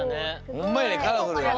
ほんまやねカラフルやね。